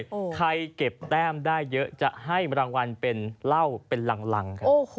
เพื่อให้เก็บแต้มได้เยอะจะให้รางวัลเป็นเหล้าเป็นรัง